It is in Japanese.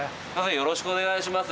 よろしくお願いします。